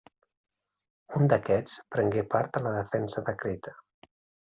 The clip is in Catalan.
Un d'aquests prengué part a la defensa de Creta.